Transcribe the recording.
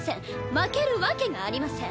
負けるわけがありません。